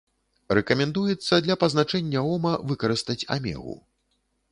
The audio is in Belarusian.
Рэкамендуецца для пазначэння ома выкарыстаць амегу.